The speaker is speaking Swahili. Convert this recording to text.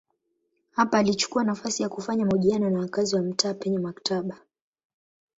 Hapa alichukua nafasi ya kufanya mahojiano na wakazi wa mtaa penye maktaba.